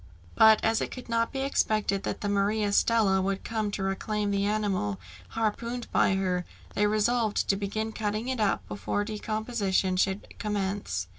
But as it could not be expected that the Maria Stella would come to reclaim the animal harpooned by her, they resolved to begin cutting it up before decomposition should commence.